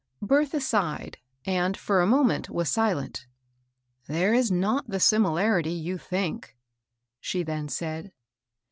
Bertha sighed, and, for a moment, was silent. " There is not the similarity you think," she then said.